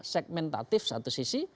segmentatif satu sisi